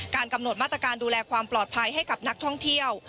กำหนดมาตรการดูแลความปลอดภัยให้กับนักท่องเที่ยว